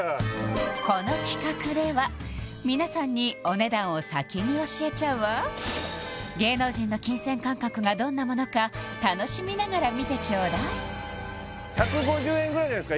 この企画では皆さんにお値段を先に教えちゃうわ芸能人の金銭感覚がどんなものか楽しみながら見てちょうだい１５０円ぐらいじゃないですか？